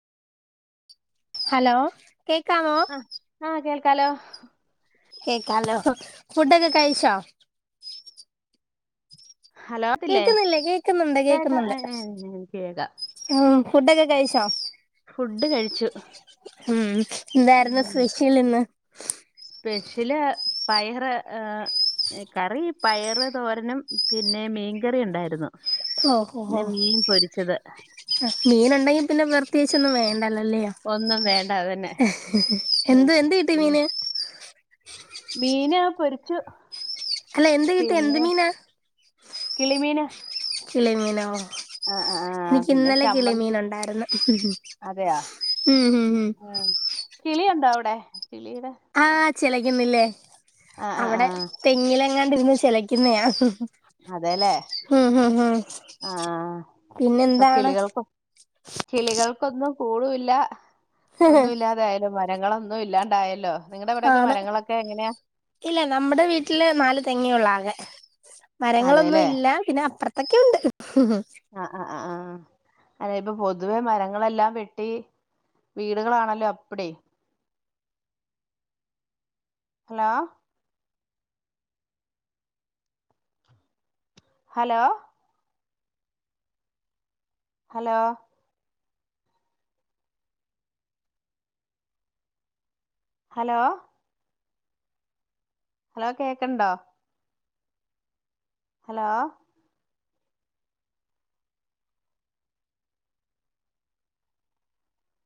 hello കേക്കാമോ hello കേക്കാലോ ഫുഡൊക്കെ കഴിച്ചോ ഹലോ ത്തില്ലെ കേക്കുന്നില്ലേ കേക്കുന്നുണ്ട് കേക്ക കേക്കുന്നുണ്ട് എ ഏ കേക്ക ഉം ഫുഡൊക്കെ കഴിച്ചോ ഫുഡ് കഴിച്ചു മ്മ് എന്തായിരുന്നു ഉം സ്പെഷ്യൽ ഇന്ന് സ്പെഷ്യല് പയറ് കറി പയറ് തോരനും പിന്നെ മീൻകറി ഉണ്ടായിരുന്നു ഓ ഒ ഓ പിന്നെ മീൻ പൊരിച്ചത് ഹെ മീനൊൺ ണ്ടെങ്കി പിന്നെ പ്രത്യേകിച്ചൊന്നും വേണ്ടല്ലോ ല്ലയോ ഒന്നും വേണ്ട അതന്നെ ഉം എന്ത് എന്ത് കിട്ടി പിന്നെ മീന് മീന് പൊരിച്ചു അല്ല എന്ത് കിട്ടെ എന്ത് പിന്നെ മീനാ കിളിമീന് ചിലേമീനോ ആഹ് ആഹ് ആഹ് നിക്ക് പിന്നെ ഇന്നലെ ചമ്മന്തി കിളിമീനൊണ്ടായ്ര്ന്ന് അതെയോ ഉംഉം ഉം ആഹ് കിളിയുണ്ടോ അവ്ടെ ആഹ് ചെലെക്കുന്നില്ലേ ആഹ് ആഹ് അവിടെ ആഹ് തെങ്ങിലെ ങ്ങാണ്ടിരുന്ന് ചെലെക്കുന്നയാ അതേല്ലേ ആഹ് ഇപ്പൊ പിന്നെന്താണ് കിളികൾകൊ കിളികൾ കൊന്നും കൂളൂല്ല ഒന്നും ഇല്ലാതായാലും മത് ഞങ്ങളൊന്നും ഇല്ലാണ്ടായല്ലോ നിങ്ങടെ അവിടെയൊക്കെ ആണ് മരങ്ങളൊക്കെ എങ്ങനെയാ ഇല്ല നമ്മുടെ വീട്ടില് നാല് തെങ്ങേയൊള്ളാകെ അതെല്ലേ മരങ്ങളൊന്നുവില്ല പിന്ന അപ്പ്രത്തൊക്കെയുണ്ട് ഹ് അതേ ഇപ്പൊ പൊതുവെ മരങ്ങളെല്ലാം വെട്ടി വീടുകളാണല്ലോ അപ്പ്ടി hello hello hello hello hello കേക്ക്ണ്ടോ ഹലോ